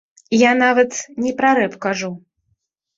Я нават не пра рэп кажу.